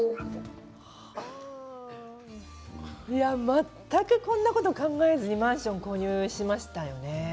全くこんなこと考えずにマンションを購入しましたよね。